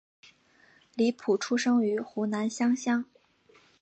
李普出生于湖南湘乡。